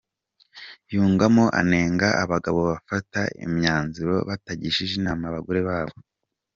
Yungamo anenga abagabo bafata imyanzuro batagishije inama abagore babo .